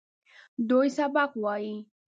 دوی سبق وايي.